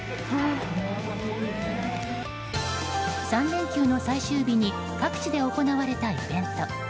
３連休の最終日に各地で行われたイベント。